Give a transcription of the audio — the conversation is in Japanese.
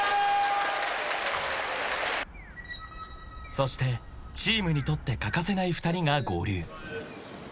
［そしてチームにとって欠かせない２人が合流］